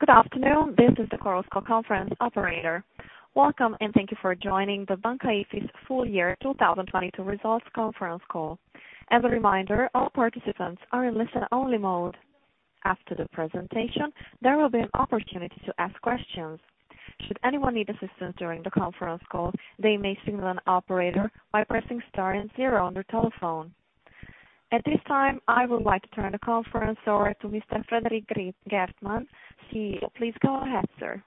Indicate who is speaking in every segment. Speaker 1: Good afternoon. This is the Chorus Call Conference operator. Welcome, and thank you for joining the Banca IFIS Full Year 2022 Results Conference Call. As a reminder, all participants are in listen-only mode. After the presentation, there will be an opportunity to ask questions. Should anyone need assistance during the conference call, they may signal an operator by pressing star and zero on their telephone. At this time, I would like to turn the conference over to Mr. Frederik Geertman, CEO. Please go ahead, sir.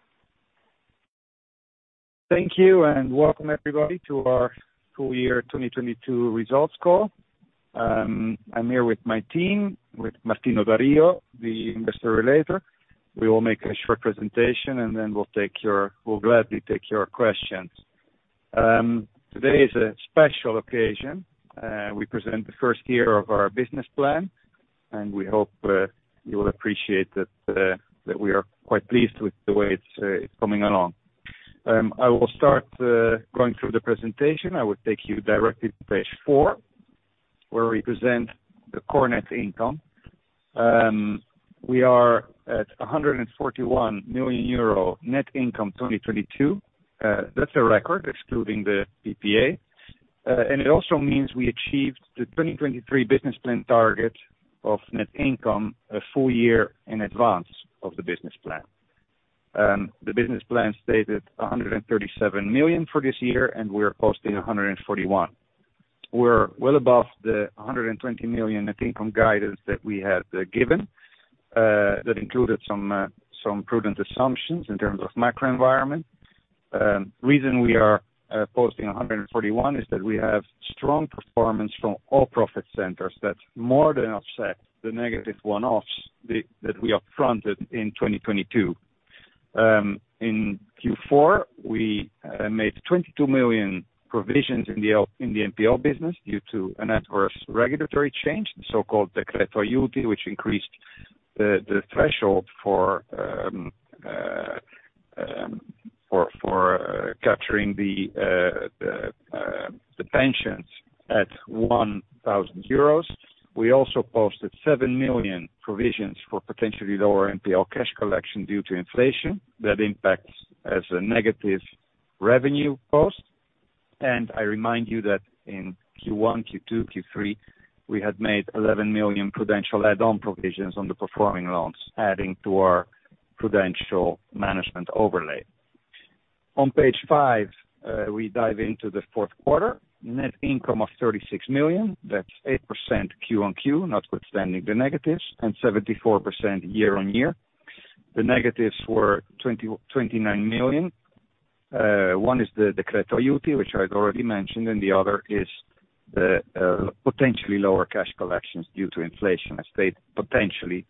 Speaker 2: Thank you, welcome everybody to our full year 2022 results call. I'm here with my team, with Martino Da Rio, the investor relator. We will make a short presentation, then we'll gladly take your questions. Today is a special occasion. We present the first year of our business plan, we hope you will appreciate that we are quite pleased with the way it's coming along. I will start going through the presentation. I will take you directly to page 4, where we present the core net income. We are at 141 million euro net income, 2022. That's a record excluding the PPA. It also means we achieved the 2023 business plan target of net income a full year in advance of the business plan. The business plan stated 137 million for this year, and we're posting 141 million. We're well above the 120 million net income guidance that we had given. That included some prudent assumptions in terms of macro environment. Reason we are posting 141 million is that we have strong performance from all profit centers that more than offset the negative one-offs that we upfronted in 2022. In Q4, we made 22 million provisions in the NPL business due to an adverse regulatory change, the so-called Decreto Aiuti, which increased the threshold for capturing the pensions at 1,000 euros. We also posted 7 million provisions for potentially lower NPL cash collection due to inflation. That impacts as a negative revenue cost. I remind you that in Q1, Q2, Q3, we had made 11 million prudential add-on provisions on the performing loans, adding to our prudential management overlay. On page 5, we dive into the fourth quarter. Net income of 36 million, that's +8% Q-on-Q, notwithstanding the negatives, and +74% year-on-year. The negatives were 29 million. One is the Decreto Aiuti, which I'd already mentioned, and the other is the potentially lower cash collections due to inflation. I state potentially,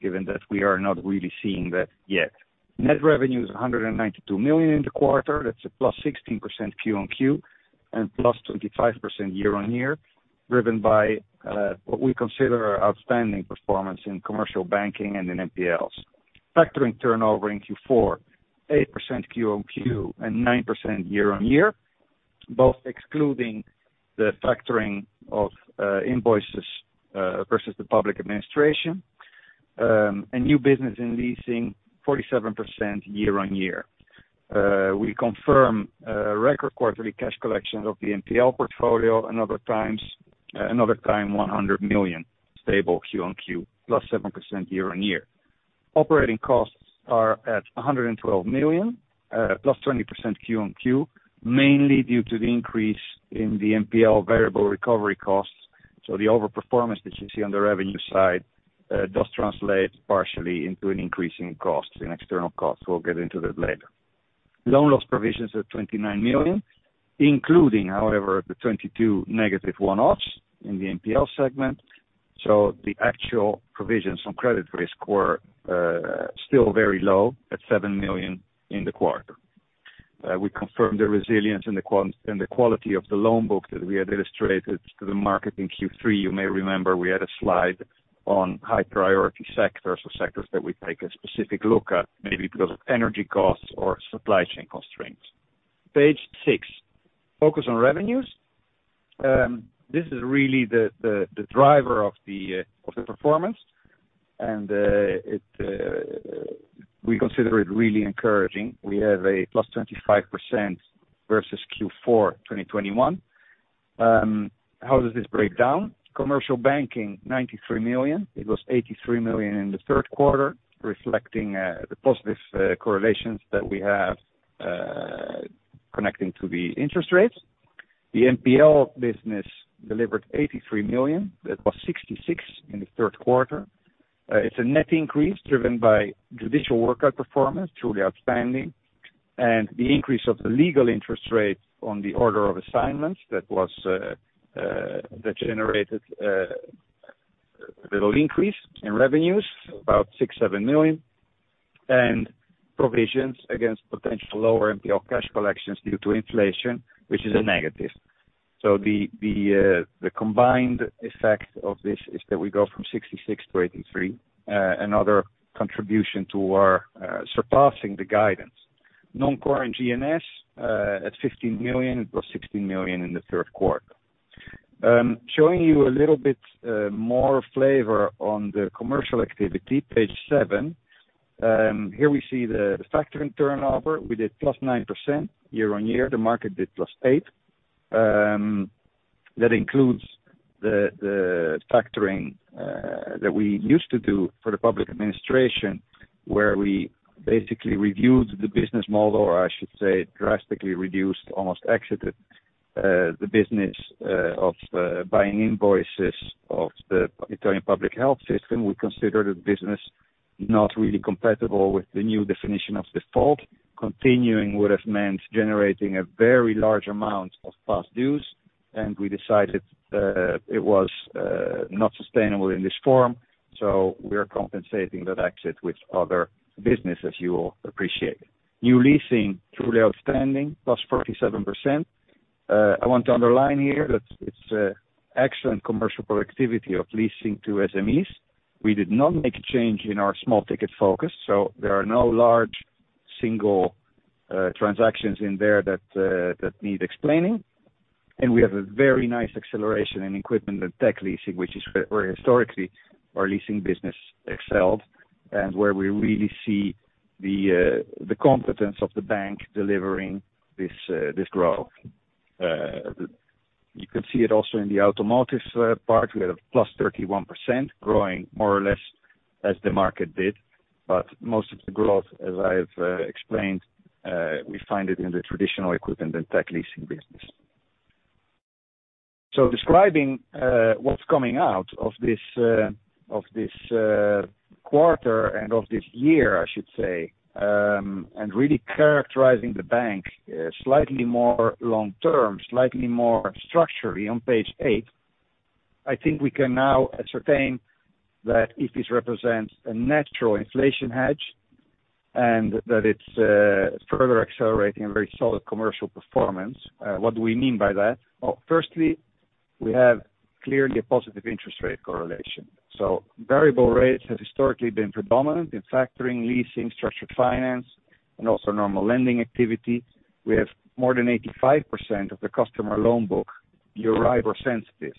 Speaker 2: given that we are not really seeing that yet. Net revenue is 192 million in the quarter. That's a +16% Q-on-Q and +25% year-on-year, driven by what we consider outstanding performance in commercial banking and in NPLs. Factoring turnover in Q4, 8% Q-on-Q and 9% year-on-year, both excluding the factoring of invoices versus the public administration. New business in leasing, 47% year-on-year. We confirm record quarterly cash collections of the NPL portfolio another time, EUR 100 million, stable Q-on-Q, +7% year-on-year. Operating costs are at 112 million, +20% Q-on-Q, mainly due to the increase in the NPL variable recovery costs. The overperformance that you see on the revenue side does translate partially into an increase in costs, in external costs. We'll get into that later. Loan loss provisions are 29 million, including however, the 22 million negative one-offs in the NPL segment. The actual provisions on credit risk were still very low at 7 million in the quarter. We confirmed the resilience and the quality of the loan book that we had illustrated to the market in Q3. You may remember we had a slide on high priority sectors or sectors that we take a specific look at, maybe because of energy costs or supply chain constraints. Page 6, focus on revenues. This is really the driver of the performance, and we consider it really encouraging. We have a +25% versus Q4 2021. How does this break down? Commercial banking, 93 million. It was 83 million in the third quarter, reflecting the positive correlations that we have connecting to the interest rates. The NPL business delivered 83 million. That was 66 million in the third quarter. It's a net increase driven by judicial workout performance, truly outstanding, and the increase of the legal interest rate on the order of assignments that generated little increase in revenues, about 6 million, 7 million. Provisions against potential lower NPL cash collections due to inflation, which is a negative. The combined effect of this is that we go from 66 million to 83 million, another contribution to our surpassing the guidance. Non-core GNS at 15 million and +16 million in the third quarter. Showing you a little bit more flavor on the commercial activity, page 7. Here we see the factoring turnover. We did +9% year-over-year. The market did +8%. That includes the factoring that we used to do for the public administration, where we basically reviewed the business model, or I should say drastically reduced, almost exited, the business of buying invoices of the Italian public health system. We considered the business not really compatible with the new definition of default. Continuing would have meant generating a very large amount of past dues. We decided it was not sustainable in this form. We are compensating that exit with other businesses you will appreciate. New leasing, truly outstanding, +47%. I want to underline here that it's excellent commercial productivity of leasing to SMEs. We did not make a change in our small ticket focus, so there are no large single transactions in there that need explaining. We have a very nice acceleration in equipment and tech leasing, which is where historically our leasing business excelled, and where we really see the competence of the bank delivering this growth. You can see it also in the automotive part. We had a +31%, growing more or less as the market did. Most of the growth, as I've explained, we find it in the traditional equipment and tech leasing business. Describing what's coming out of this of this quarter and of this year, I should say, and really characterizing the bank, slightly more long term, slightly more structurally on page 8, I think we can now ascertain that IFIS represents a natural inflation hedge and that it's further accelerating a very solid commercial performance. What do we mean by that? Well, firstly, we have clearly a positive interest rate correlation. Variable rates have historically been predominant in factoring, leasing, structured finance, and also normal lending activity. We have more than 85% of the customer loan book Euribor sensitive,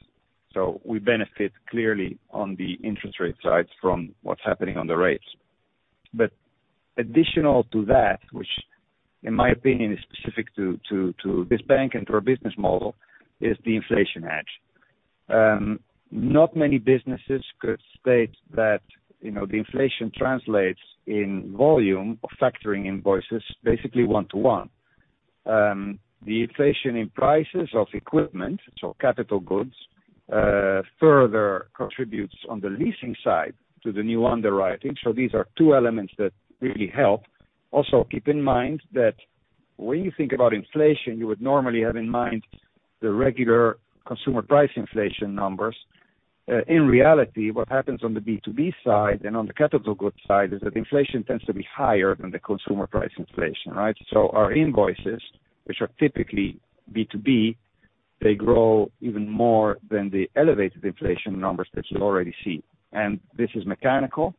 Speaker 2: so we benefit clearly on the interest rate side from what's happening on the rates. Additional to that, which in my opinion is specific to this bank and to our business model, is the inflation hedge. Not many businesses could state that, you know, the inflation translates in volume of factoring invoices, basically one to one. The inflation in prices of equipment, so capital goods, further contributes on the leasing side to the new underwriting. These are two elements that really help. Keep in mind that when you think about inflation, you would normally have in mind the regular consumer price inflation numbers. In reality, what happens on the B2B side and on the capital goods side is that inflation tends to be higher than the consumer price inflation, right? Our invoices, which are typically B2B, they grow even more than the elevated inflation numbers that you already see. This is mechanical.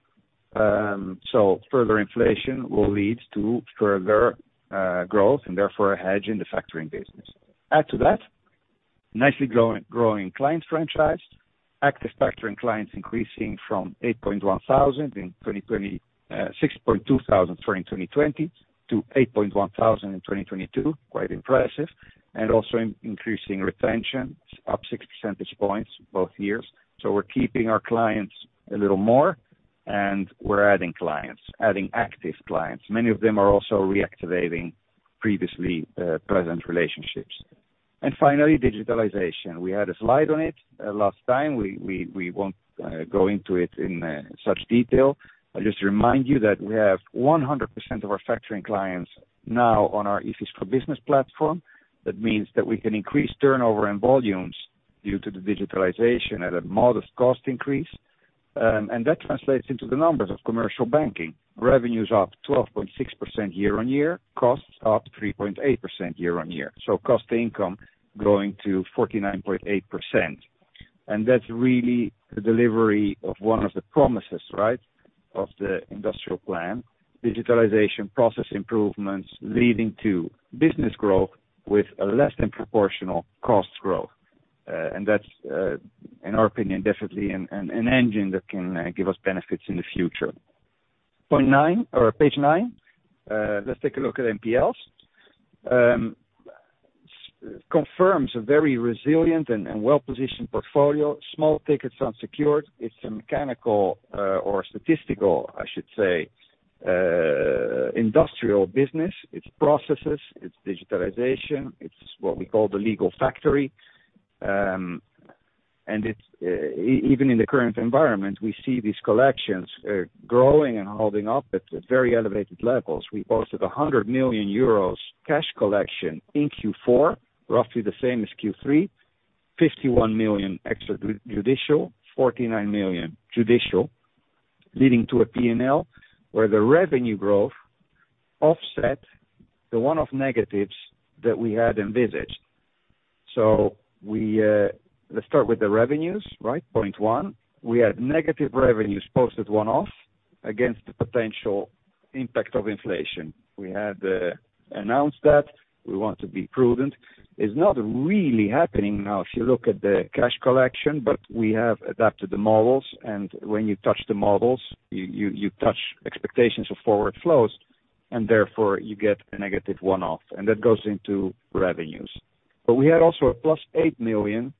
Speaker 2: Further inflation will lead to further growth and therefore a hedge in the factoring business. Add to that, nicely growing client franchise, active factoring clients increasing from 6,200 in 2020 to 8,100 in 2022. Quite impressive. Also in increasing retention, up 6 percentage points both years. We're keeping our clients a little more, and we're adding clients, adding active clients. Many of them are also reactivating previously present relationships. Finally, digitalization. We had a slide on it last time. We won't go into it in such detail. I'll just remind you that we have 100% of our factoring clients now on our IFIS for Business platform. That means that we can increase turnover and volumes due to the digitalization at a modest cost increase. That translates into the numbers of commercial banking. Revenue's up 12.6% year-on-year, costs up 3.8% year-on-year. Cost to income growing to 49.8%. That's really the delivery of one of the promises, right, of the industrial plan. Digitalization, process improvements leading to business growth with a less than proportional cost growth. That's, in our opinion, definitely an engine that can give us benefits in the future. Point 9 or page 9, let's take a look at NPLs. Confirms a very resilient and well-positioned portfolio. Small tickets are secured. It's a mechanical or statistical, I should say, industrial business. It's processes, it's digitalization, it's what we call the Legal Factory. It's even in the current environment, we see these collections growing and holding up at very elevated levels. We posted 100 million euros cash collection in Q4, roughly the same as Q3. 51 million extrajudicial, 49 million judicial, leading to a P&L where the revenue growth offset the one-off negatives that we had envisaged. We, let's start with the revenues, right? Point one, we had negative revenues posted one-off against the potential impact of inflation. We had announced that we want to be prudent. It's not really happening now, if you look at the cash collection, but we have adapted the models, and when you touch the models, you touch expectations of forward flows, and therefore you get a negative one-off, and that goes into revenues. We had also a +8 million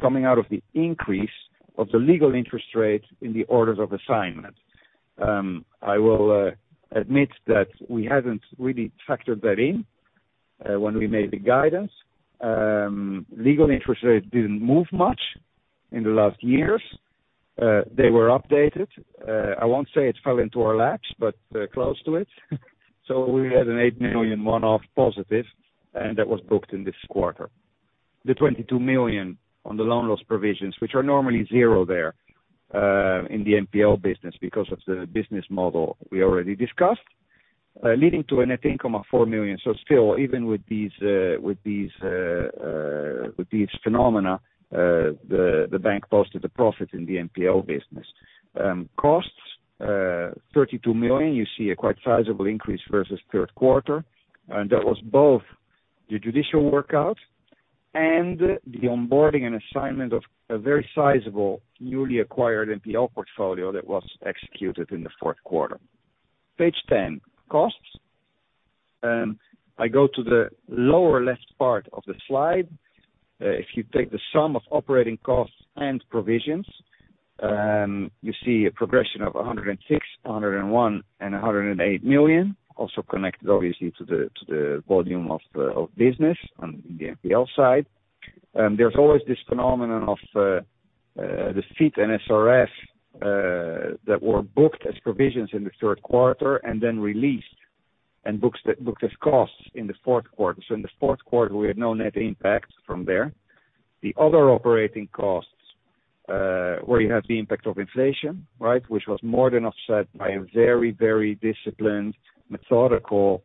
Speaker 2: coming out of the increase of the legal interest rate in the orders of assignment. I will admit that we haven't really factored that in when we made the guidance. Legal interest rates didn't move much in the last years. They were updated. I won't say it fell into our laps, but close to it. We had an 8 million one-off positive, and that was booked in this quarter. The 22 million on the loan loss provisions, which are normally zero there, in the NPL business because of the business model we already discussed. Leading to a net income of 4 million. Still, even with these phenomena, the bank posted a profit in the NPL business. Costs, 32 million, you see a quite sizable increase versus third quarter. That was both the judicial workout and the onboarding and assignment of a very sizable newly acquired NPL portfolio that was executed in the fourth quarter. Page 10, costs. I go to the lower left part of the slide. If you take the sum of operating costs and provisions, you see a progression of 106 million, 101 million, and 108 million, also connected obviously to the volume of business on the NPL side. There's always this phenomenon of the seat and SRS that were booked as provisions in the third quarter and then released and booked as costs in the fourth quarter. In the fourth quarter, we had no net impact from there. The other operating costs, where you have the impact of inflation, right? Which was more than offset by a very, very disciplined, methodical,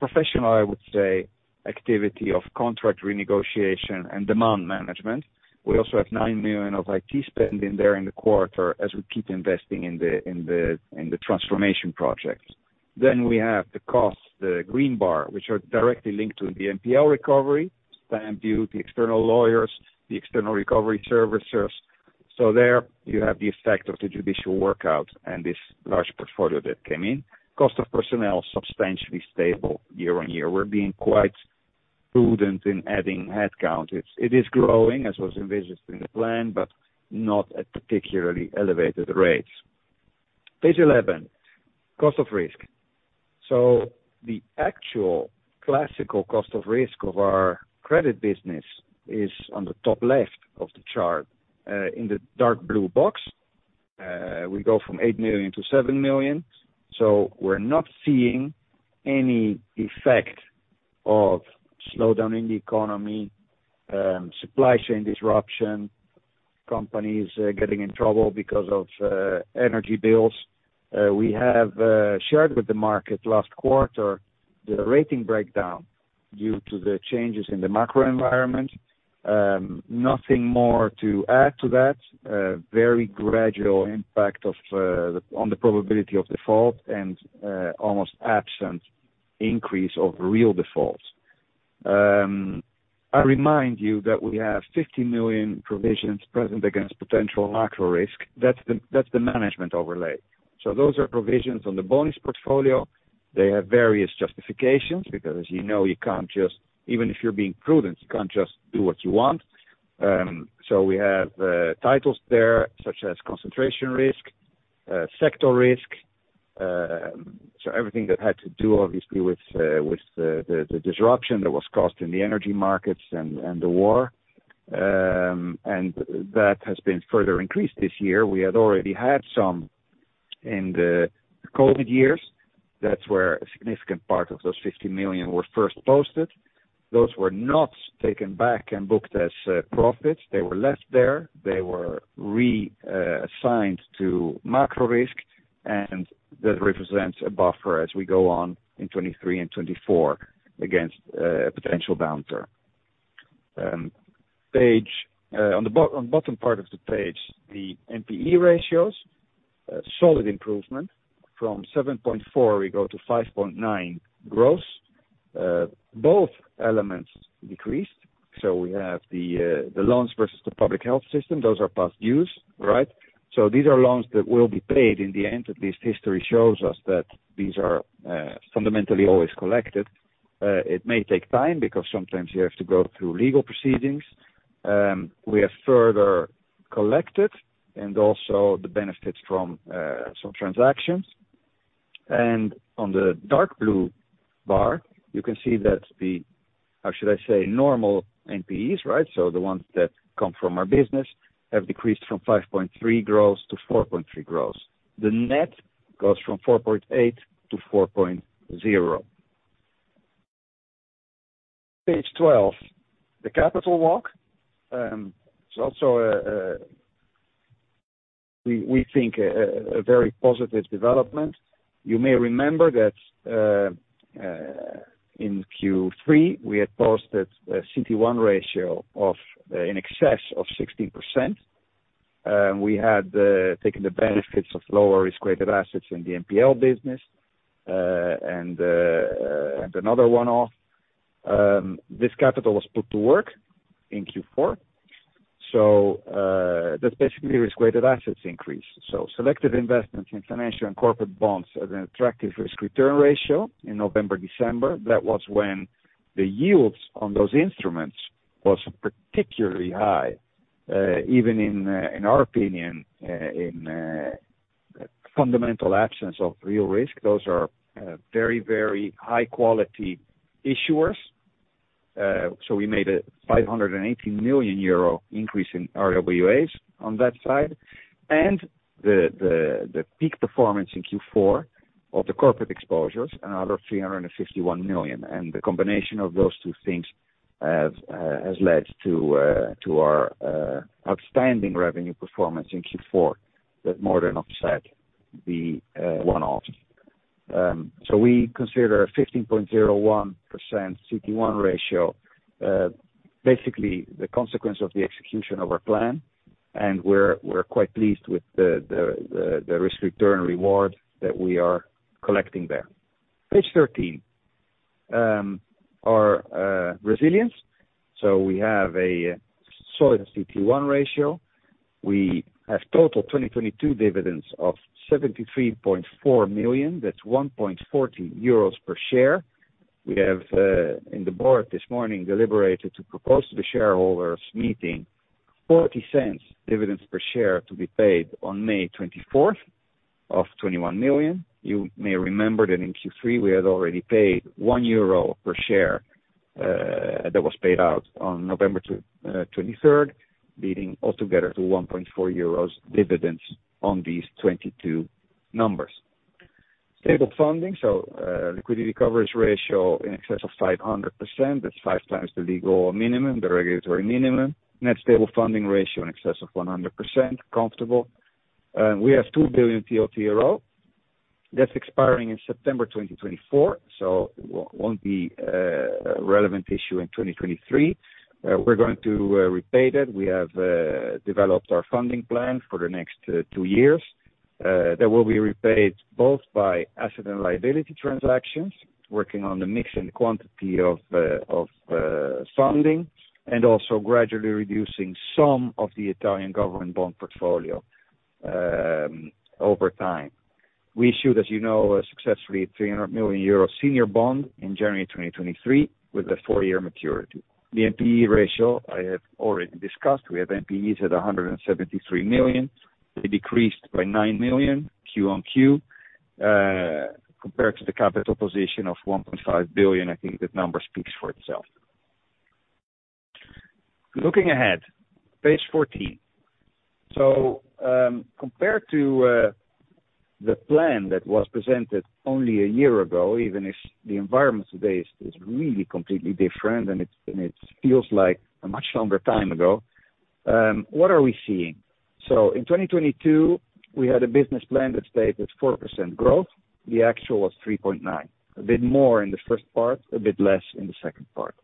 Speaker 2: professional, I would say, activity of contract renegotiation and demand management. We also have 9 million of IT spending there in the quarter as we keep investing in the transformation project. We have the costs, the green bar, which are directly linked to the NPL recovery, time due to external lawyers, the external recovery servicers. There you have the effect of the judicial workout and this large portfolio that came in. Cost of personnel, substantially stable year-over-year. We're being quite prudent in adding headcount. It is growing, as was envisaged in the plan, but not at particularly elevated rates. Page 11, cost of risk. The actual classical cost of risk of our credit business is on the top left of the chart, in the dark blue box. We go from 8 million to 7 million. We're not seeing any effect of slowdown in the economy, supply chain disruption, companies getting in trouble because of energy bills. We have shared with the market last quarter the rating breakdown due to the changes in the macro environment. Nothing more to add to that. A very gradual impact on the probability of default and almost absent increase of real defaults. I remind you that we have 50 million provisions present against potential macro risk. That's the management overlay. Those are provisions on the bonus portfolio. They have various justifications, because as you know, even if you're being prudent, you can't just do what you want. We have titles there, such as concentration risk, sector risk, everything that had to do obviously with the disruption that was caused in the energy markets and the war. That has been further increased this year. We had already had some in the COVID years. That's where a significant part of those 50 million were first posted. Those were not taken back and booked as profits. They were left there. They were reassigned to macro risk, and that represents a buffer as we go on in 2023 and 2024 against potential downturn. On the bottom part of the page, the NPE ratios, a solid improvement. From 7.4, we go to 5.9 gross. Both elements decreased. We have the loans versus the public health system. Those are past dues, right? These are loans that will be paid in the end. At least history shows us that these are fundamentally always collected. It may take time because sometimes you have to go through legal proceedings. We have further collected and also the benefits from some transactions. On the dark blue bar, you can see that the normal NPEs, right? The ones that come from our business have decreased from 5.3 gross to 4.3 gross. The net goes from 4.8 to 4.0. Page 12, the capital walk. It's also a We think a very positive development. You may remember that in Q3, we had posted a CET1 ratio of in excess of 16%. We had taken the benefits of lower risk-weighted assets in the NPL business and another one-off. This capital was put to work in Q4. That's basically risk-weighted assets increase. Selective investments in financial and corporate bonds at an attractive risk return ratio in November, December. That was when the yields on those instruments was particularly high, even in our opinion, in fundamental absence of real risk. Those are very high quality issuers. We made a 580 million euro increase in RWAs on that side. The peak performance in Q4 of the corporate exposures, another 351 million. The combination of those two things has led to our outstanding revenue performance in Q4. That more than offset the one-off. We consider a 15.01% CET1 ratio basically the consequence of the execution of our plan. We're quite pleased with the risk return reward that we are collecting there. Page 13. Our resilience. We have a solid CET1 ratio. We have total 2022 dividends of 73.4 million. That's 1.40 euros per share. We have in the board this morning deliberated to propose to the shareholders meeting 0.40 dividends per share to be paid on May 24th, 21 million. You may remember that in Q3 we had already paid 1 euro per share, that was paid out on November 23rd, leading all together to 1.40 euros dividends on these 2022 numbers. Stable funding, Liquidity Coverage Ratio in excess of 500%. That's 5 times the legal minimum, the regulatory minimum. Net Stable Funding Ratio in excess of 100% comfortable. We have 2 billion TLTRO that's expiring in September 2024, won't be a relevant issue in 2023. We're going to repay that. We have developed our funding plan for the next 2 years. That will be repaid both by asset and liability transactions, working on the mix and quantity of funding, and also gradually reducing some of the Italian government bond portfolio over time. We issued, as you know, a successfully 300 million euro senior bond in January 2023 with a 4-year maturity. The NPE ratio I have already discussed. We have NPEs at 173 million. They decreased by 9 million Q-on-Q, compared to the capital position of 1.5 billion. I think that number speaks for itself. Looking ahead, page 14. Compared to the plan that was presented only a year ago, even if the environment today is really completely different and it feels like a much longer time ago, what are we seeing? In 2022, we had a business plan that stated 4% growth. The actual was 3.9%. A bit more in the first part, a bit less in the second part.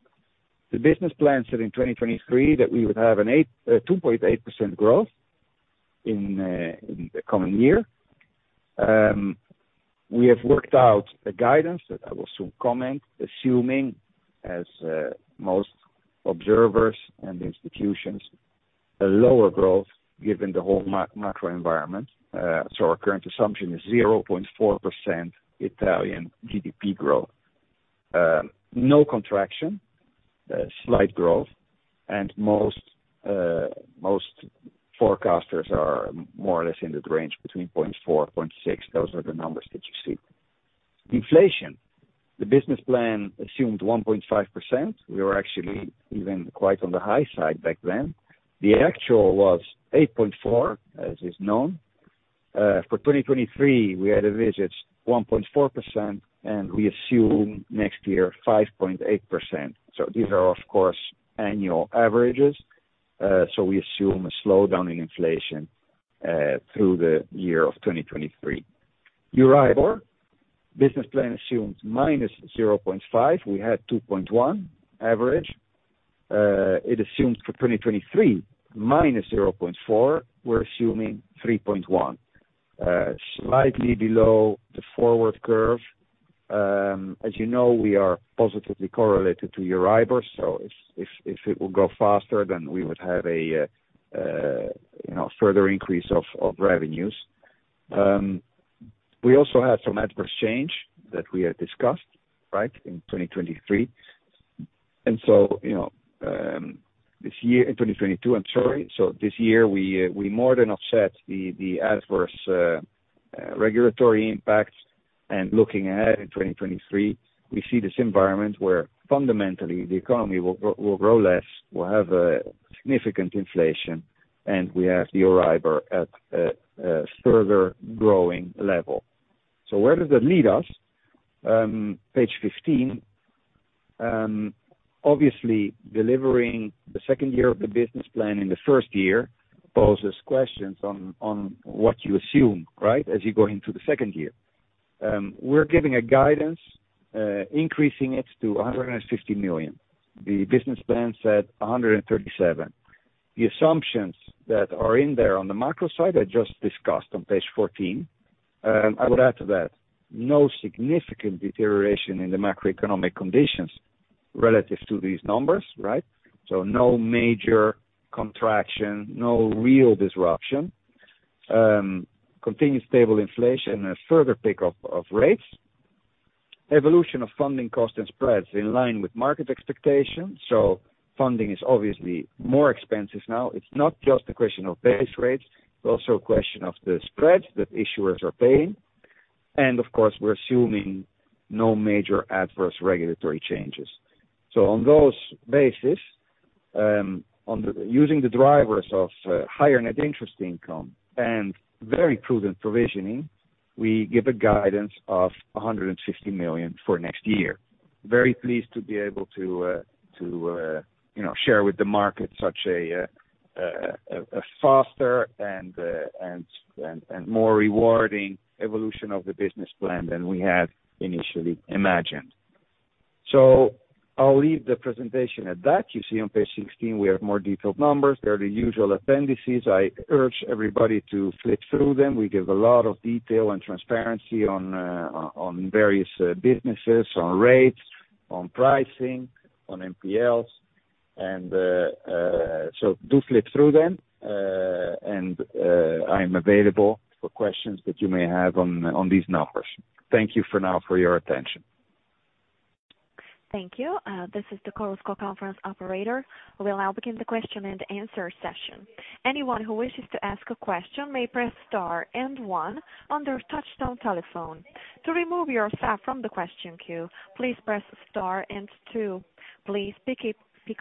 Speaker 2: The business plan said in 2023 that we would have a 2.8% growth in the coming year. We have worked out a guidance that I will soon comment, assuming, as most observers and institutions, a lower growth given the whole macro environment. Our current assumption is 0.4% Italian GDP growth. No contraction, slight growth, and most forecasters are more or less in that range between 0.4%-0.6%. Those are the numbers that you see. Inflation. The business plan assumed 1.5%. We were actually even quite on the high side back then. The actual was 8.4%, as is known. For 2023, we had a visit 1.4%, and we assume next year 5.8%. These are of course annual averages. We assume a slowdown in inflation through the year of 2023. Euribor, business plan assumes -0.5. We had 2.1 average. It assumes for 2023 -0.4. We're assuming 3.1, slightly below the forward curve. As you know, we are positively correlated to Euribor, if it will go faster, then we would have a, you know, further increase of revenues. We also had some adverse change that we had discussed, right, in 2023. You know, this year in 2022, I'm sorry. This year we more than offset the adverse regulatory impact. Looking ahead in 2023, we see this environment where fundamentally the economy will grow less, we'll have a significant inflation, and we have the Euribor at a further growing level. Where does that lead us? page 15. Obviously delivering the second year of the business plan in the first year poses questions on what you assume, right, as you go into the second year. We're giving a guidance, increasing it to 160 million. The business plan said 137 million. The assumptions that are in there on the macro side, I just discussed on page 14. I would add to that, no significant deterioration in the macroeconomic conditions relative to these numbers, right? No major contraction, no real disruption. Continued stable inflation and further pickup of rates. Evolution of funding cost and spreads in line with market expectations. Funding is obviously more expensive now. It's not just a question of base rates, it's also a question of the spreads that issuers are paying. Of course, we're assuming no major adverse regulatory changes. On those basis, using the drivers of higher net interest income and very prudent provisioning, we give a guidance of 150 million for next year. Very pleased to be able to, you know, share with the market such a foster and more rewarding evolution of the business plan than we had initially imagined. I'll leave the presentation at that. You see on page 16, we have more detailed numbers. They're the usual appendices. I urge everybody to flip through them. We give a lot of detail and transparency on various businesses, on rates, on pricing, on NPLs. So do flip through them. I am available for questions that you may have on these numbers. Thank you for now for your attention.
Speaker 1: Thank you. This is the Chorus Call Conference operator. We'll now begin the question and answer session. Anyone who wishes to ask a question may press star and one on their touchtone telephone. To remove yourself from the question queue, please press star and two. Please pick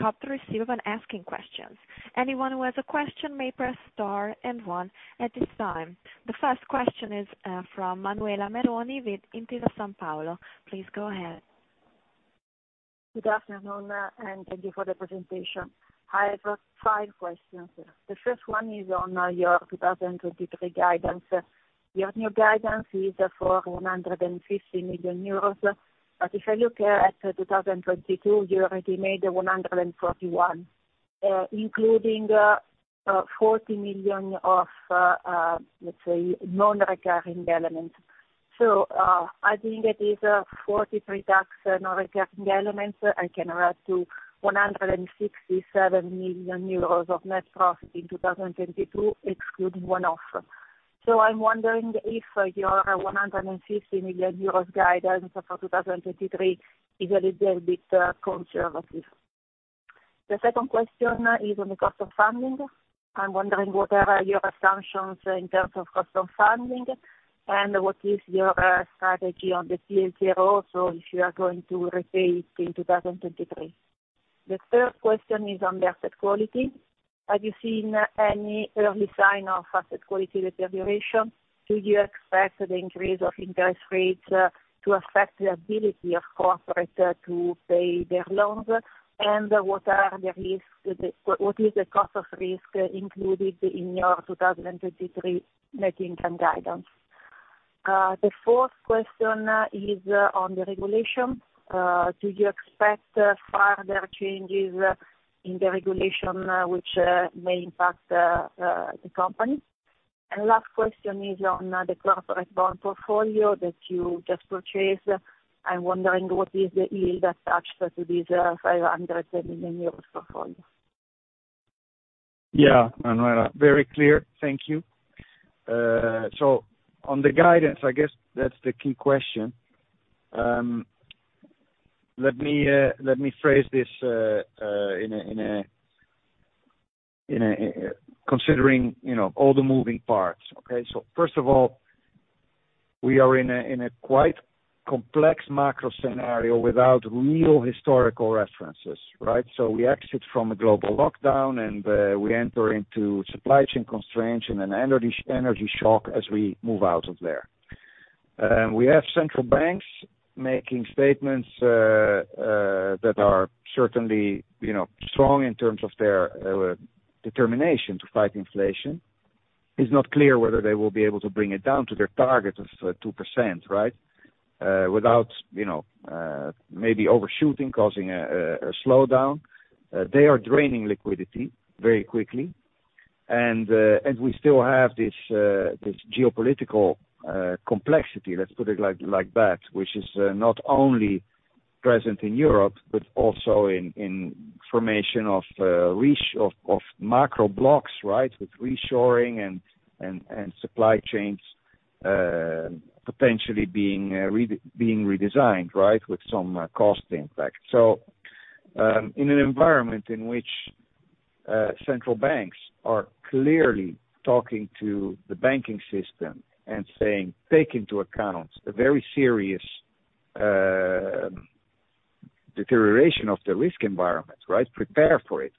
Speaker 1: up to receive an asking questions. Anyone who has a question may press star and one at this time. The first question is from Manuela Meroni with Intesa Sanpaolo. Please go ahead.
Speaker 3: Good afternoon. Thank you for the presentation. I have 5 questions. The first one is on your 2023 guidance. Your new guidance is for 150 million euros. If I look at 2022, you already made 141 million, including 40 million of, let's say, non-recurring elements. Adding it is 43 million tax non-recurring elements, I can add to 167 million euros of net profit in 2022, excluding one-off. I'm wondering if your 150 million euros guidance for 2023 is a little bit conservative. The second question is on the cost of funding. I'm wondering what are your assumptions in terms of cost of funding, and what is your strategy on the TLTRO, so if you are going to repay it in 2023? The third question is on the asset quality. Have you seen any early sign of asset quality deterioration? Do you expect the increase of interest rates to affect the ability of corporate to pay their loans? What is the cost of risk included in your 2023 net income guidance? The fourth question is on the regulation. Do you expect further changes in the regulation which may impact the company? Last question is on the corporate bond portfolio that you just purchased. I'm wondering what is the yield attached to these 500 million euros portfolio.
Speaker 2: Yeah. Manuela, very clear. Thank you. On the guidance, I guess that's the key question. Let me phrase this... Considering, you know, all the moving parts. Okay. First of all, we are in a quite complex macro scenario without real historical references, right? We exit from a global lockdown, and we enter into supply chain constraints and an energy shock as we move out of there. We have central banks making statements that are certainly, you know, strong in terms of their determination to fight inflation. It's not clear whether they will be able to bring it down to their target of 2%, right? Without, you know, maybe overshooting causing a slowdown. They are draining liquidity very quickly. We still have this geopolitical complexity, let's put it like that, which is not only present in Europe, but also in formation of macro blocks, right? With reshoring and supply chains potentially being redesigned, right? With some cost impact. In an environment in which central banks are clearly talking to the banking system and saying, "Take into account the very serious deterioration of the risk environment," right? "Prepare for it."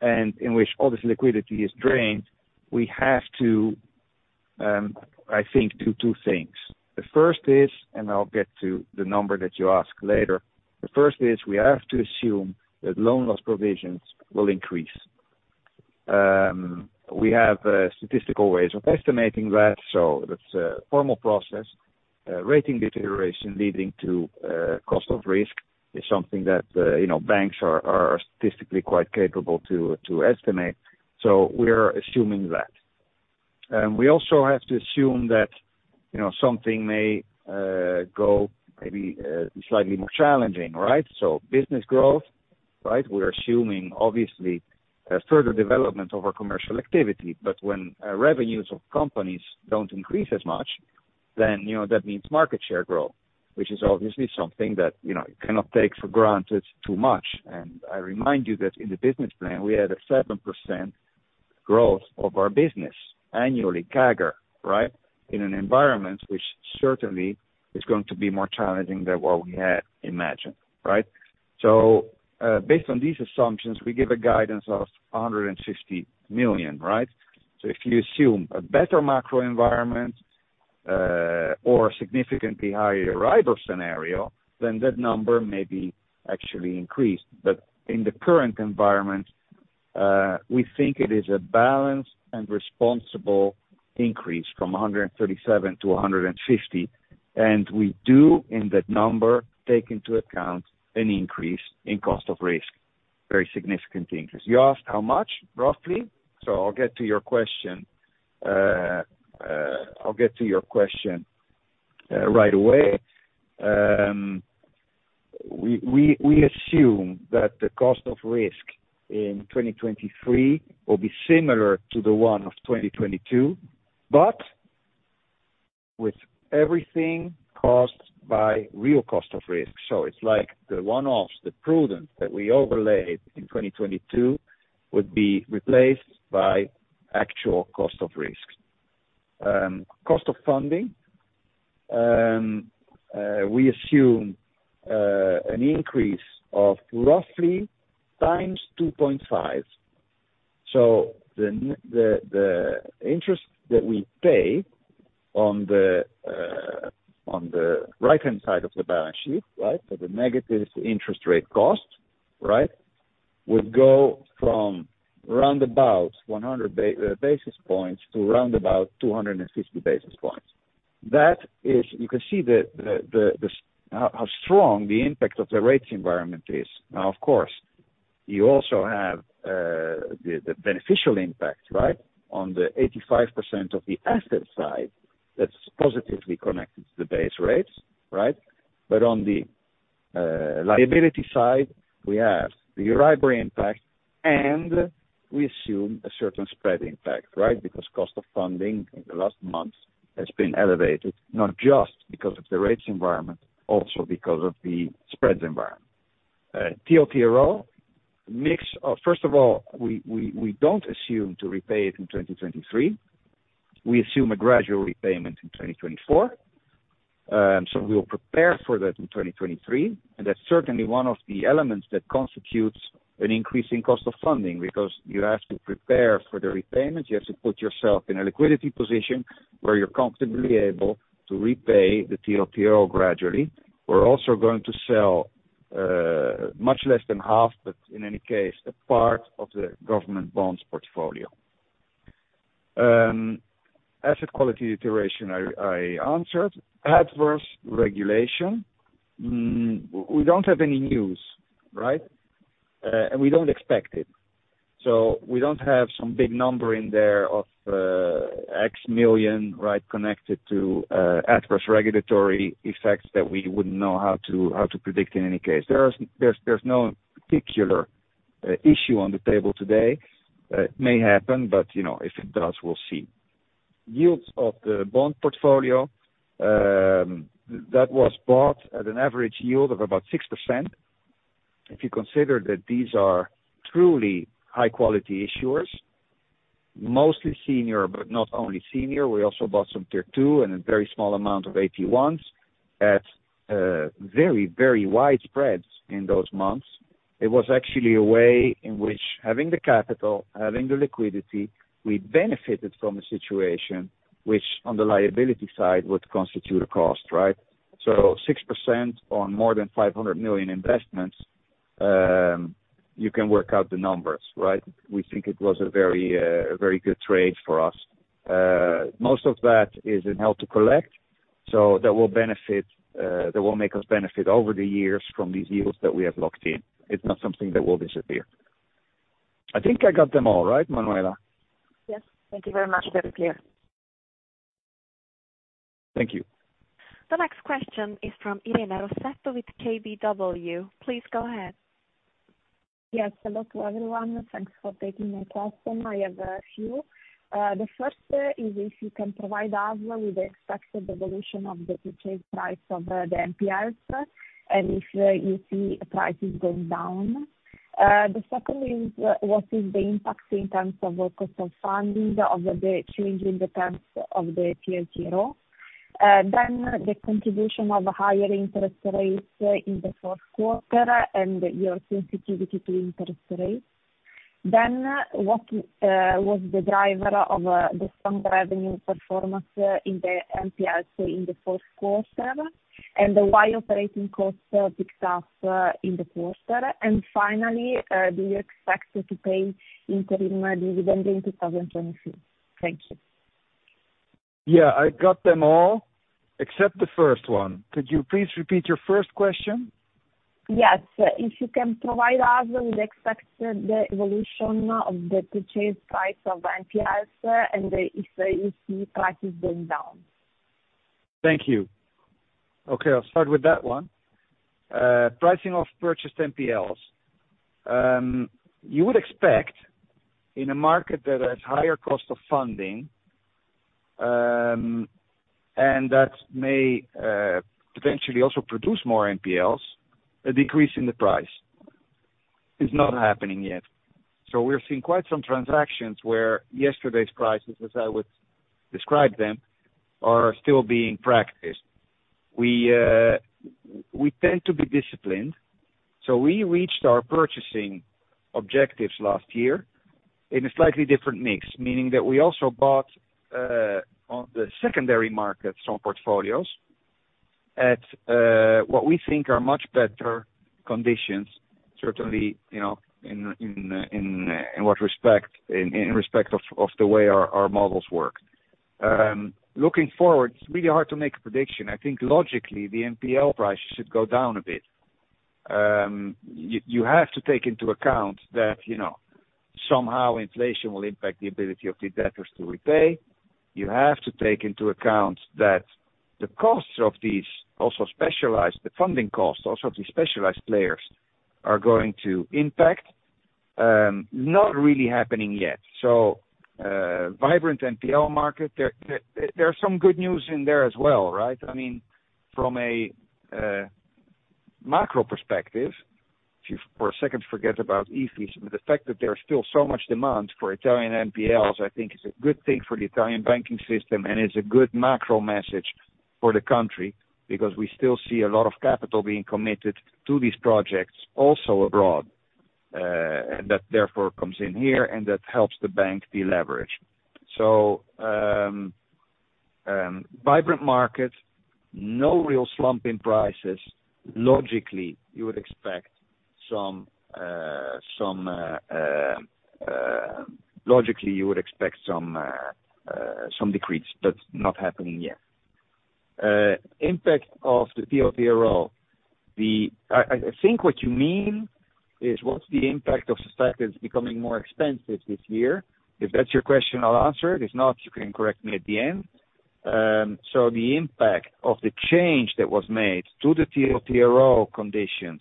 Speaker 2: In which all this liquidity is drained, we have to, I think, do two things. The first is, and I'll get to the number that you ask later. The first is we have to assume that loan loss provisions will increase. We have statistical ways of estimating that, so that's a formal process. Rating deterioration leading to cost of risk is something that, you know, banks are statistically quite capable to estimate. We're assuming that. We also have to assume that, you know, something may go maybe slightly more challenging, right? Business growth, right? We're assuming obviously a further development of our commercial activity. When revenues of companies don't increase as much, then, you know, that means market share growth, which is obviously something that, you know, you cannot take for granted too much. I remind you that in the business plan, we had a 7% growth of our business annually, CAGR, right? In an environment which certainly is going to be more challenging than what we had imagined, right? Based on these assumptions, we give a guidance of 150 million, right? If you assume a better macro environment, or significantly higher arrival scenario, then that number may be actually increased. In the current environment, we think it is a balanced and responsible increase from 137 to 150, and we do in that number, take into account an increase in cost of risk, very significantly increase. You asked how much, roughly? I'll get to your question right away. We assume that the cost of risk in 2023 will be similar to the one of 2022, but with everything caused by real cost of risk. It's like the one-offs, the prudence that we overlaid in 2022 would be replaced by actual cost of risk. Cost of funding, we assume an increase of roughly x2.5. The interest that we pay on the right-hand side of the balance sheet, so the negative interest rate cost, would go from round about 100 basis points to round about 250 basis points. You can see how strong the impact of the rate environment is. Of course, you also have the beneficial impact on the 85% of the asset side that's positively connected to the base rates. On the liability side, we have the impact, and we assume a certain spread impact. Cost of funding in the last months has been elevated, not just because of the rates environment, also because of the spreads environment. First of all, we don't assume to repay it in 2023. We assume a gradual repayment in 2024. We'll prepare for that in 2023, and that's certainly one of the elements that constitutes an increase in cost of funding because you have to prepare for the repayment. You have to put yourself in a liquidity position where you're comfortably able to repay the TLTRO gradually. We're also going to sell, much less than half, but in any case, a part of the government bonds portfolio. Asset quality iteration, I answered. Adverse regulation. We don't have any news, right? We don't expect it. We don't have some big number in there of EUR X million, right, connected to adverse regulatory effects that we wouldn't know how to, how to predict in any case. There's no particular issue on the table today. It may happen, but, you know, if it does, we'll see. Yields of the bond portfolio, that was bought at an average yield of about 6%. If you consider that these are truly high quality issuers, mostly senior but not only senior, we also bought some Tier 2 and a very small amount of AT1s at very, very wide spreads in those months. It was actually a way in which having the capital, having the liquidity, we benefited from a situation which on the liability side would constitute a cost, right? 6% on more than 500 million investments, you can work out the numbers, right? We think it was a very, a very good trade for us. Most of that is in held to collect, so that will benefit, that will make us benefit over the years from these yields that we have locked in. It's not something that will disappear. I think I got them. All right, Manuela?
Speaker 4: Yes. Thank you very much. Very clear.
Speaker 2: Thank you.
Speaker 1: The next question is from Irene Rossetto with KBW. Please go ahead.
Speaker 5: Yes. Hello to everyone. Thanks for taking my question. I have a few. The first is if you can provide us with the expected evolution of the purchase price of the NPLs, and if you see prices going down. The second is what is the impact in terms of cost of funding of the change in the terms of the TLTRO. The contribution of higher interest rates in the fourth quarter, and your sensitivity to interest rates. What was the driver of the strong revenue performance in the NPLs in the fourth quarter? Why operating costs picked up in the quarter. Finally, do you expect to pay interim dividend in 2023? Thank you.
Speaker 2: Yeah, I got them all except the first one. Could you please repeat your first question?
Speaker 5: Yes. If you can provide us with expected the evolution of the purchase price of NPLs and if the issue prices going down?
Speaker 2: Thank you. Okay, I'll start with that one. Pricing of purchased NPLs. You would expect in a market that has higher cost of funding, and that may potentially also produce more NPLs, a decrease in the price. It's not happening yet. We're seeing quite some transactions where yesterday's prices, as I would describe them, are still being practiced. We tend to be disciplined, so we reached our purchasing objectives last year in a slightly different mix. Meaning that we also bought on the secondary market, some portfolios, at what we think are much better conditions, certainly, you know, in what respect, in respect of the way our models work. Looking forward, it's really hard to make a prediction. I think logically the NPL price should go down a bit. You have to take into account that, you know, somehow inflation will impact the ability of the debtors to repay. You have to take into account that the costs of these also specialized, the funding costs, also of the specialized players, are going to impact. Not really happening yet. Vibrant NPL market, there are some good news in there as well, right? I mean, from a macro perspective, if you for a second forget about IFIS, the fact that there are still so much demand for Italian NPLs, I think is a good thing for the Italian banking system, and is a good macro message for the country because we still see a lot of capital being committed to these projects also abroad, and that therefore comes in here and that helps the bank deleverage. vibrant market, no real slump in prices. Logically, you would expect some decrease. That's not happening yet. Impact of the TLTRO. I think what you mean is what's the impact of societies becoming more expensive this year? If that's your question, I'll answer. If not, you can correct me at the end. The impact of the change that was made to the TLTRO conditions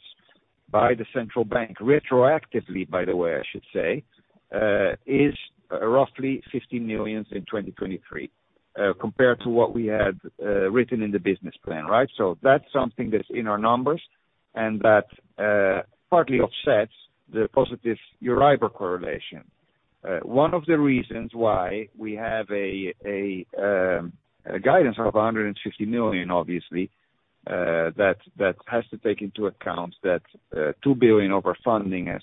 Speaker 2: by the central bank, retroactively, by the way, I should say, is roughly 15 million in 2023 compared to what we had written in the business plan, right? That's something that's in our numbers and that partly offsets the positive Euribor correlation. One of the reasons why we have a guidance of 150 million, obviously, has to take into account that 2 billion over funding has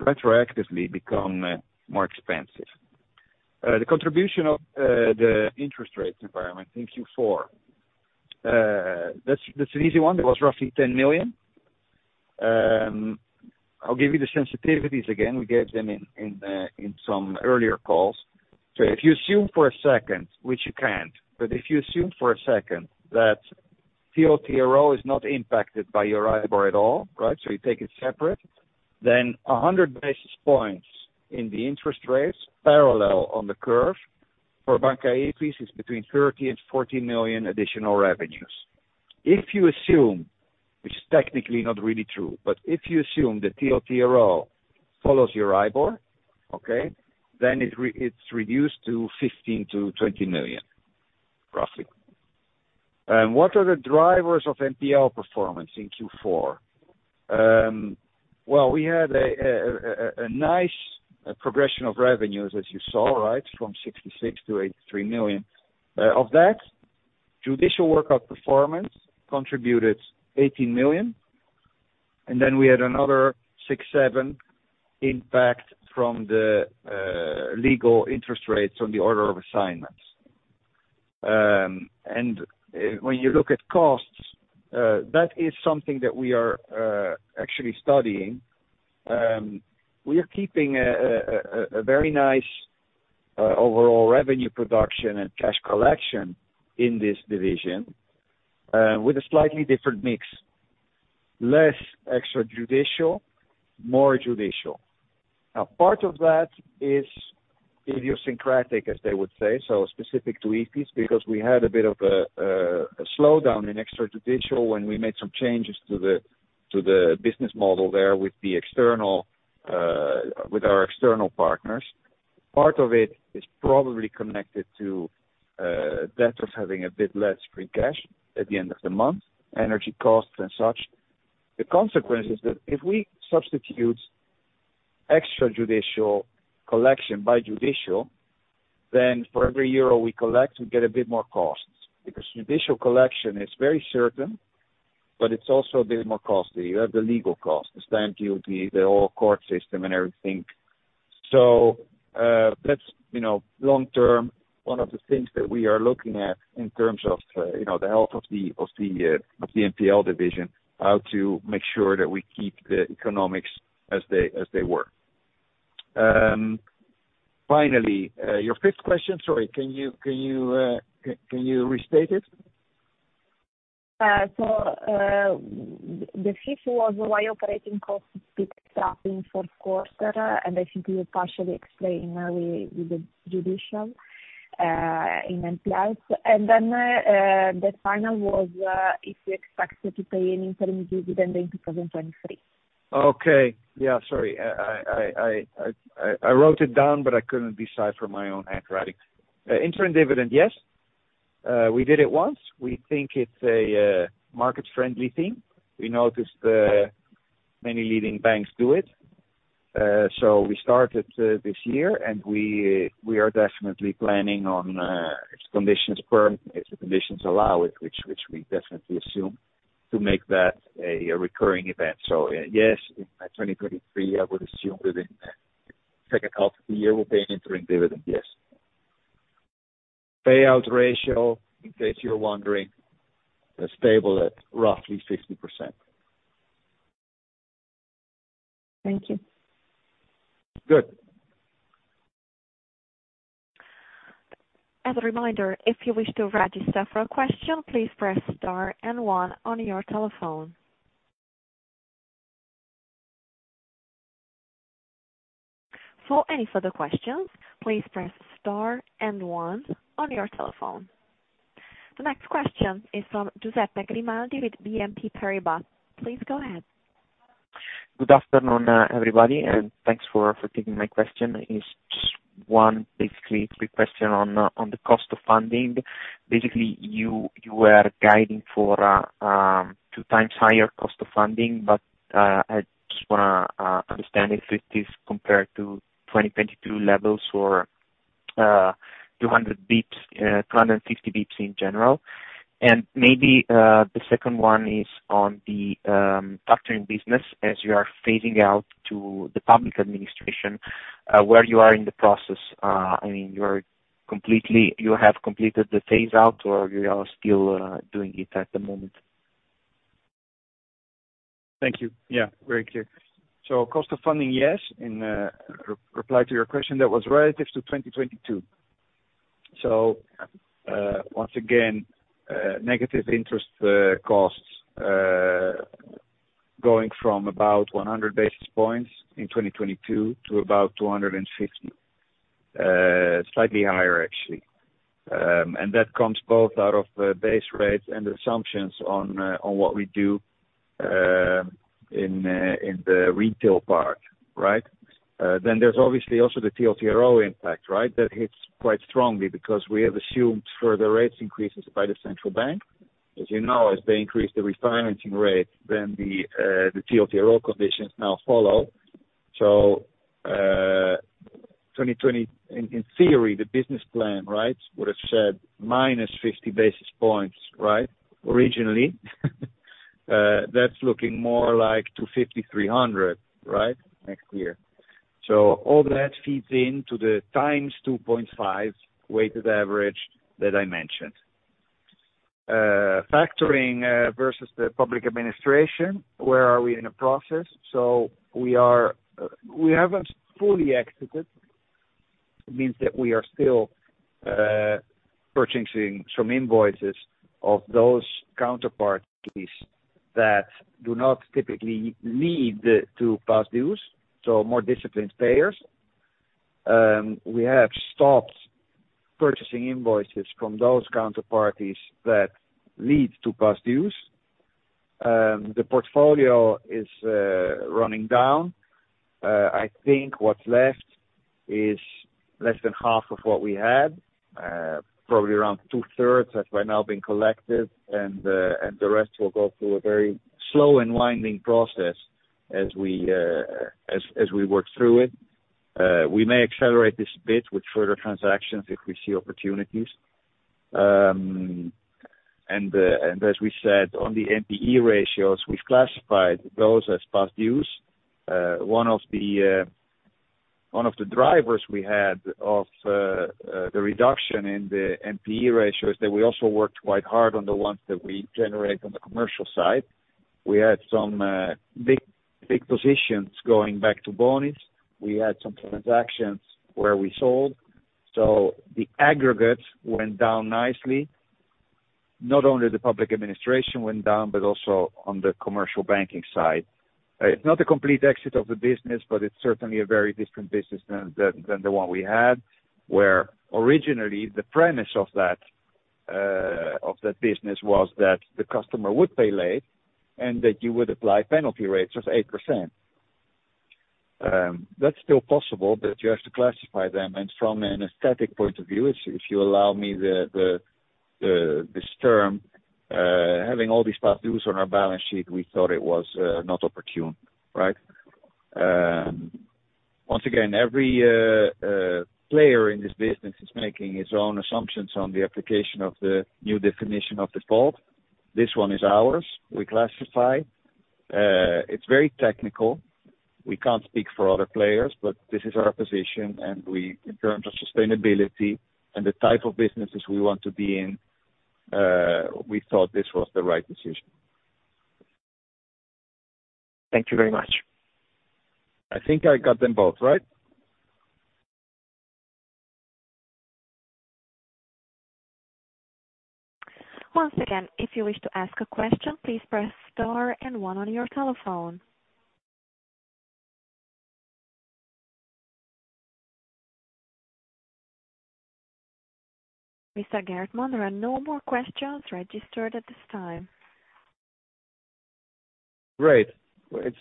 Speaker 2: retroactively become more expensive. The contribution of the interest rates environment in Q4. That's an easy one. That was roughly 10 million. I'll give you the sensitivities again. We gave them in some earlier calls. If you assume for a second, which you can't, but if you assume for a second that TLTRO is not impacted by Euribor at all, right? You take it separate, then 100 basis points in the interest rates parallel on the curve for Banca IFIS is between 30 million and 40 million additional revenues. If you assume, which is technically not really true, but if you assume that TLTRO follows Euribor, okay, then it's reduced to 15 million-20 million, roughly. What are the drivers of NPL performance in Q4? Well, we had a nice progression of revenues, as you saw, right? From 66 million-83 million. Of that, judicial workout performance contributed 18 million, and then we had another 6, 7 impact from the legal interest rates on the order of assignments. When you look at costs, that is something that we are actually studying. We are keeping a very nice overall revenue production and cash collection in this division, with a slightly different mix. Less extra judicial, more judicial. Part of that is idiosyncratic, as they would say, so specific to IFIS, because we had a bit of a slowdown in extra judicial when we made some changes to the business model there with the external with our external partners. Part of it is probably connected to debtors having a bit less free cash at the end of the month, energy costs and such. The consequence is that if we substitute extra judicial collection by judicial, then for every euro we collect, we get a bit more costs because judicial collection is very certain, but it's also a bit more costly. You have the legal costs, the stamp duty, the whole court system and everything. That's, you know, long term, one of the things that we are looking at in terms of, you know, the health of the NPL division, how to make sure that we keep the economics as they were. Finally, your fifth question. Sorry, can you restate it?
Speaker 5: The fifth was why operating costs picked up in fourth quarter, I think you partially explained early with the judicial in NPL. The final was if you expect to pay any interim dividend in 2023.
Speaker 2: Okay. Yeah, sorry. I wrote it down, but I couldn't decipher my own handwriting. Interim dividend, yes. We did it once. We think it's a market friendly thing. We noticed many leading banks do it. We started this year, and we are definitely planning on, if conditions permit, if the conditions allow it, which we definitely assume, to make that a recurring event. Yes, in 2023, I would assume that in second half of the year we'll pay an interim dividend. Yes. Payout ratio, in case you're wondering, is stable at roughly 60%.
Speaker 5: Thank you.
Speaker 2: Good.
Speaker 1: As a reminder, if you wish to register for a question, please press star and one on your telephone. For any further questions, please press star and one on your telephone. The next question is from Giuseppe Grimaldi with BNP Paribas. Please go ahead.
Speaker 6: Good afternoon, everybody, thanks for taking my question. It's just one basically quick question on the cost of funding. Basically, you were guiding for 2x higher cost of funding. I just wanna understand if it is compared to 2022 levels or 200 basis points, 250 basis points in general. Maybe the second one is on the factoring business as you are phasing out to the public administration, where you are in the process. I mean, you have completed the phase out or you are still doing it at the moment?
Speaker 2: Thank you. Yeah, very clear. Cost of funding, yes. In reply to your question, that was relative to 2022. Once again, negative interest costs going from about 100 basis points in 2022 to about 250 basis points. Slightly higher, actually. That comes both out of base rates and assumptions on what we do in the retail part, right? There's obviously also the TLTRO impact, right? That hits quite strongly because we have assumed further rates increases by the central bank. As you know, as they increase the refinancing rate, then the TLTRO conditions now follow. In theory, the business plan, right? Would have said -50 basis points, right? Originally. That's looking more like 250 basis points, 300 basis points, right? Next year. So all that feeds into the x2.5 weighted average that I mentioned. Factoring versus the public administration, where are we in the process? We are. We haven't fully exited. It means that we are still purchasing some invoices of those counterparties that do not typically lead to past dues, so more disciplined payers. We have stopped purchasing invoices from those counterparties that lead to past dues. The portfolio is running down. I think what's left is less than half of what we had, probably around two-thirds has by now been collected, and the rest will go through a very slow and winding process as we, as we work through it. We may accelerate this bit with further transactions if we see opportunities. As we said on the NPE ratios, we've classified those as past dues. One of the drivers we had of the reduction in the NPE ratio is that we also worked quite hard on the ones that we generate on the commercial side. We had some big positions going back to. [inaudible] We had some transactions where we sold. The aggregate went down nicely. Not only the public administration went down, but also on the commercial banking side. It's not a complete exit of the business, but it's certainly a very different business than the one we had, where originally the premise of that business was that the customer would pay late and that you would apply penalty rates of 8%. That's still possible, but you have to classify them. From an aesthetic point of view, if you allow me this term, having all these past dues on our balance sheet, we thought it was not opportune, right? Once again, every player in this business is making his own assumptions on the application of the new definition of default. This one is ours. We classify. It's very technical. We can't speak for other players, but this is our position, and we, in terms of sustainability and the type of businesses we want to be in, we thought this was the right decision.
Speaker 6: Thank you very much.
Speaker 2: I think I got them both, right?
Speaker 1: Once again, if you wish to ask a question, please press star and one on your telephone. Mr. Geertman, there are no more questions registered at this time.
Speaker 2: Great. It's,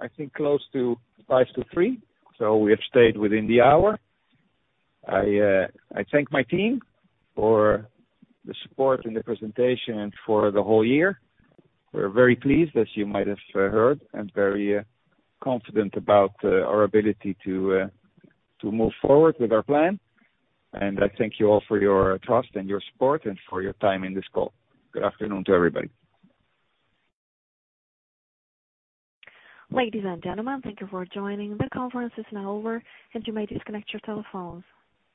Speaker 2: I think close to five to three, so we have stayed within the hour. I thank my team for the support in the presentation and for the whole year. We're very pleased, as you might have heard, and very confident about our ability to move forward with our plan. I thank you all for your trust and your support and for your time in this call. Good afternoon to everybody.
Speaker 1: Ladies and gentlemen, thank you for joining. The conference is now over, and you may disconnect your telephones.